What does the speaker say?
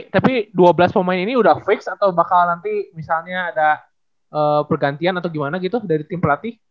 tapi dua belas pemain ini udah fix atau bakal nanti misalnya ada pergantian atau gimana gitu dari tim pelatih